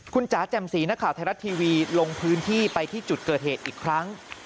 คุณจ๋าแจ่มสีนักข่าวไทยรัฐทีวีลงพื้นที่ไปที่จุดเกิดเหตุอีกครั้ง